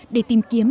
để tìm kiếm